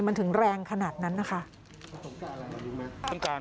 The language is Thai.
มันถึงแรงขนาดนั้นนะคะ